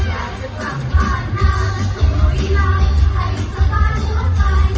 อยากจะจับผ้าน่าคุ้มโดยร้ายให้จับฝ้าทั่วไป